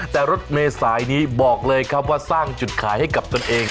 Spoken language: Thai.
แต่รถเมษายนี้บอกเลยครับว่าสร้างจุดขายให้กับตนเอง